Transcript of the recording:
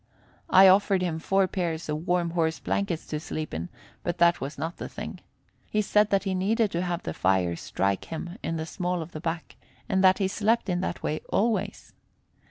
I offered him four pairs of warm horse blankets to sleep in, but that was not the thing. He said that he needed to have the fire strike him in the small of the back, and that he slept in that way always.